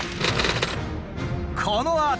このあと。